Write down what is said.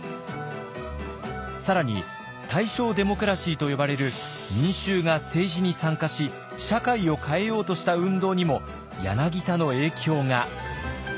更に「大正デモクラシー」と呼ばれる民衆が政治に参加し社会を変えようとした運動にも柳田の影響が。